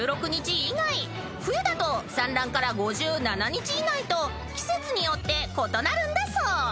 ［冬だと産卵から５７日以内と季節によって異なるんだそう］